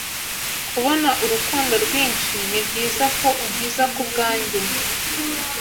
Kubona urukundo rwinshi, nibyiza ko unkiza kubwanjye